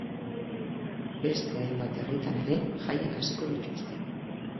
Beste hainbat herritan ere jaiak hasiko dituzte.